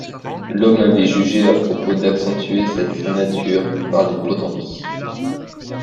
L’homme avait jugé à propos d’accentuer cette nature par des potences.